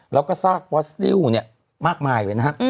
แล้วก็ซากฟอสดิวเนี่ยมากมายเลยนะฮะ